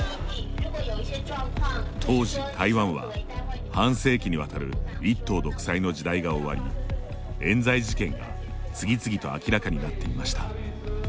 当時、台湾は半世紀にわたる一党独裁の時代が終わりえん罪事件が次々と明らかになっていました。